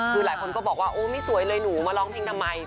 คือหลายคนก็บอกว่าโอ้ไม่สวยเลยหนูมาร้องเพลงทำไม